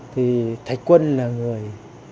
thì thạch quân là người